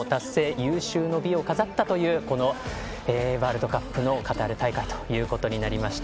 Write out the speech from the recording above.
有終の美を飾ったというワールドカップのカタール大会となりました。